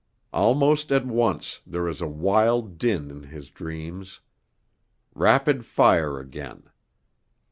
Almost at once there is a wild din in his dreams. Rapid fire again.